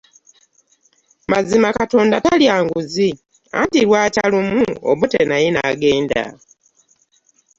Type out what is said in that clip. Mazima Katonda talya nguzi anti lwakya lumu Obote naye n'agenda.